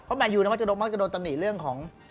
เพราะมันอยู่ในมักจะโดนตำหนี่เรื่องของ